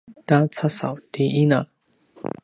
ta casaw ti ina